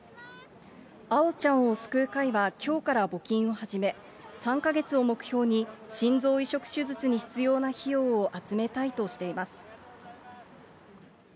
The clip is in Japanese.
あおちゃんを救う会はきょうから募金を始め、３か月を目標に心臓移植手術に必要な費用を集めたいとしています。